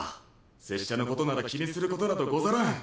拙者のことなら気にすることなどござらん！